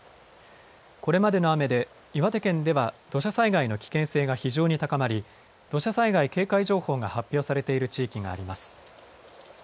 これまでの雨で岩手県では土砂災害の危険性が非常に高まり土砂災害警戒情報が発表されている地域があります。